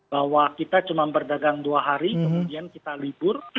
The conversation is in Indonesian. bahwa kita cuma berdagang dua hari kemudian kita libur